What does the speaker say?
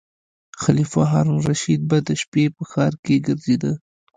خلیفه هارون الرشید به د شپې په ښار کې ګرځیده.